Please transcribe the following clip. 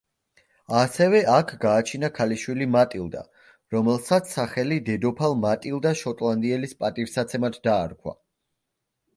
ასევე აქ გააჩინა ქალიშვილი მატილდა, რომელსაც სახელი დედოფალ მატილდა შოტლანდიელის პატივსაცემად დაარქვა.